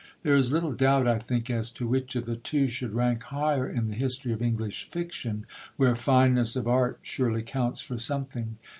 There is little doubt (I think) as to which of the two should rank higher in the history of English fiction, where fineness of Art surely counts for something.